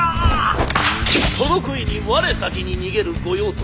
その声に我先に逃げる御用盗。